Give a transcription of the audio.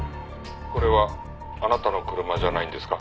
「これはあなたの車じゃないんですか？」